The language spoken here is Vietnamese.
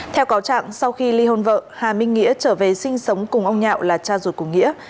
theo cáo trạng sau khi ly hôn vợ hà minh nghĩa trở về sinh sống cùng ông nhạo là cha ruột của nghĩa